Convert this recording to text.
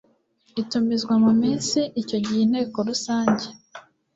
itumizwa mu minsi Icyo gihe Inteko Rusange